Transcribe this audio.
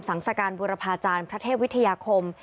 สังสการบุรพาจารย์พระเทพวิทยาคม